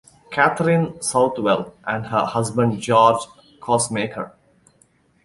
Catherine Southwell and her husband George Coussmaker.